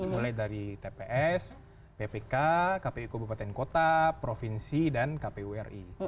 mulai dari tps ppk kpu kabupaten kota provinsi dan kpu ri